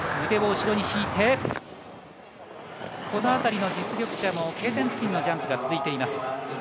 腕を後ろに引いて、このあたりの実力者はＫ点付近のジャンプが続いています。